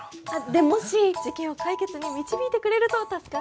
でもし事件を解決に導いてくれると助かるんですけど。